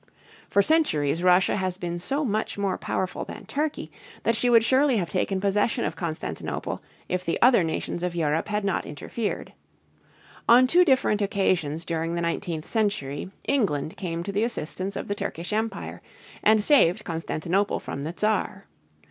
For centuries Russia has been so much more powerful than Turkey that she would surely have taken possession of Constantinople if the other nations of Europe had not interfered. On two different occasions during the nineteenth century England came to the assistance of the Turkish Empire and saved Constantinople from the Czar.